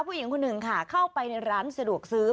ผู้หญิงคนหนึ่งค่ะเข้าไปในร้านสะดวกซื้อ